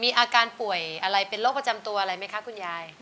มีอาการป่วยอะไรเป็นโรคประจำตัวอะไรไหมคะคุณยาย